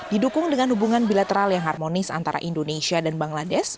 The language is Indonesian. didukung dengan hubungan bilateral yang harmonis antara indonesia dan bangladesh